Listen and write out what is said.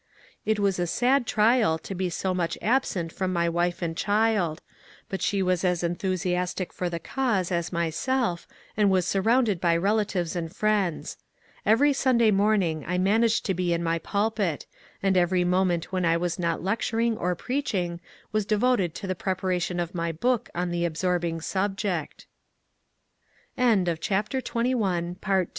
It was a sad trial to be so much absent from my wife and child, but she was as enthusiastic for the cause as myself and was surrounded by relatives and friends. Every Sunday morning I managed to be in my pulpit, and every moment when I was not lecturing or preaching was devoted to the pre paration of my book on t